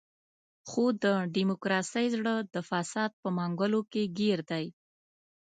خو د ډیموکراسۍ زړه د فساد په منګولو کې ګیر دی.